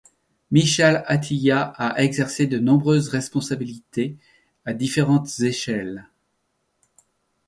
Michaal Atiyah a exercé de nombreuses responsabilités, à différentes échelles.